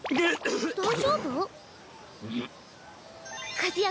和也